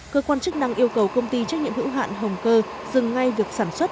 cơ quan chức năng yêu cầu công ty trách nhiệm hữu hạn hồng cơ dừng ngay việc sản xuất